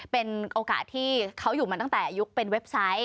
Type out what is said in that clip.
เป็นโอกาสที่เขาอยู่มาตั้งแต่ยุคเป็นเว็บไซต์